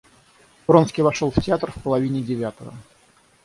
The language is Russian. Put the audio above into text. Вронский вошел в театр в половине девятого.